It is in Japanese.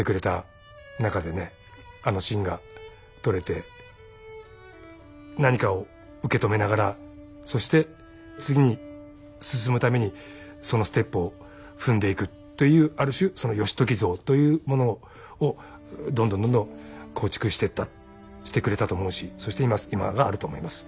あのシーンが撮れて何かを受け止めながらそして次に進むためにそのステップを踏んでいくというある種その義時像というものをどんどんどんどん構築していったしてくれたと思うしそして今があると思います。